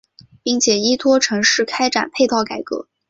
并且依托城市开展配套改革。